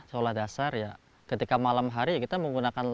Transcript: seolah dasar ya ketika malam hari kita menggunakan